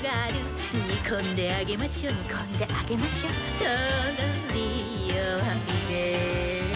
「にこんであげましょにこんであげましょ」「とろりよわびで」